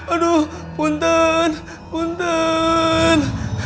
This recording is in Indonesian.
aduh punten punten